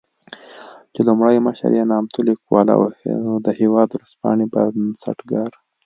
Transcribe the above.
چې لومړی مشر يې نامتو ليکوال او د "هېواد" ورځپاڼې بنسټګر